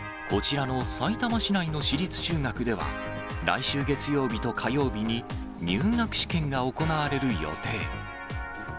こちらのさいたま市内の私立中学では、来週月曜日と火曜日に、入学試験が行われる予定。